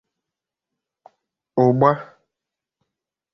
ụgba